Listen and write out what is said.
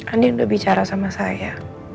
andi udah bicara sama saya